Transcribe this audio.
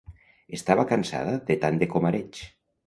Estava cansada de tant de comareig.